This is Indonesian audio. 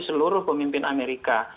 seluruh pemimpin amerika